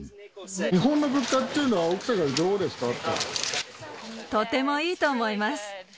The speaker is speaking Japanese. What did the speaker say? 日本の物価っていうのは、とてもいいと思います。